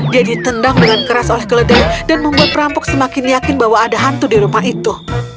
dia ditendang dengan keras oleh keledai dan membuat perampok semakin yakin bahwa ada hantu di rumah itu